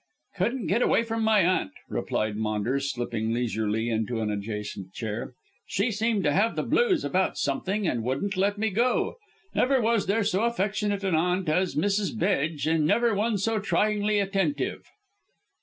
"Couldn't get away from my aunt," replied Maunders, slipping leisurely into an adjacent chair. "She seemed to have the blues about something, and wouldn't let me go. Never was there so affectionate an aunt as Mrs. Bedge, and never one so tryingly attentive."